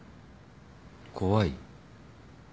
怖い？